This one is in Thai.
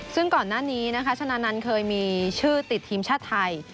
ซึ่งก่อนหน้านี้นะคะชนะนันต์เคยมีชื่อติดทีมชาติไทย